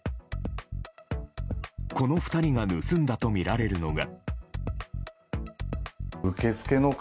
この２人が盗んだとみられるのが。